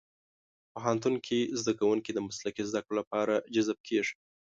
پوهنتون کې زدهکوونکي د مسلکي زدهکړو لپاره جذب کېږي.